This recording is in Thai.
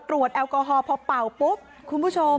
แอลกอฮอล์พอเป่าปุ๊บคุณผู้ชม